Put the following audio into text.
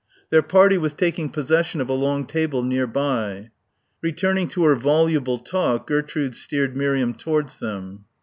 Their party was taking possession of a long table near by. Returning to her voluble talk, Gertrude steered Miriam towards them.